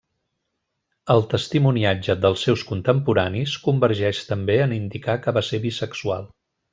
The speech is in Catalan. El testimoniatge dels seus contemporanis convergeix també en indicar que va ser bisexual.